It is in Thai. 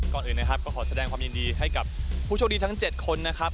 ก่อนอื่นนะครับก็ขอแสดงความยินดีให้กับผู้โชคดีทั้ง๗คนนะครับ